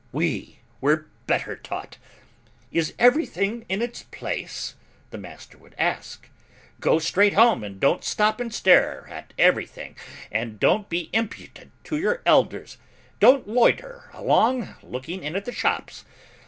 We were better taught. 'Is everything in its place?' the master would ask; go straight home and don't stop and stare at everything and don't be impudent to your elders. Don't loiter along looking in at the shops.